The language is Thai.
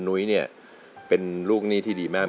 เนี่ยเป็นลูกนี้ที่ดีมาก